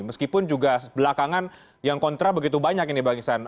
meskipun juga belakangan yang kontra begitu banyak ini bang iksan